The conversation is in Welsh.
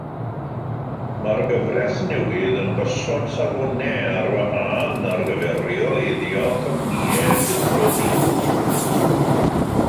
Mae'r gyfraith newydd yn gosod safonau ar wahân ar gyfer rheoleiddio cwmnïau buddsoddi.